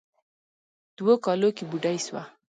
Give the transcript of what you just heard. دوو کالو کې بوډۍ سوه.